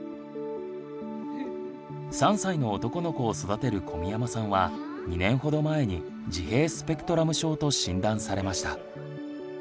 ３歳の男の子を育てる込山さんは２年ほど前に「自閉スペクトラム症」と診断されました。